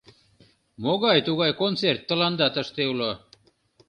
Могай-тугай концерт тыланда тыште уло?